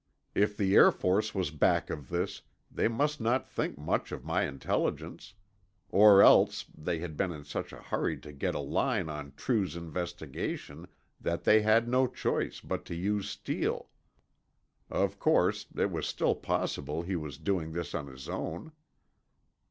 If the Air Force was back of this, they must not think much of my intelligence. Or else they had been in such a hurry to get a line on True's investigation that they had no choice but to use Steele. Of course, it was still possible he was doing this on his own.